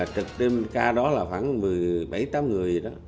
trực tên ca đó là khoảng một mươi bảy một mươi tám người